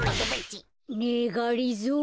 ねえがりぞー